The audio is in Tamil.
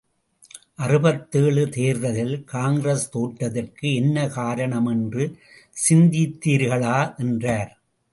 அறுபத்தேழு தேர்தலில் காங்கிரஸ் தோற்றதற்கு என்ன காரணம் என்று சிந்தித்தீர்களா? என்றார்.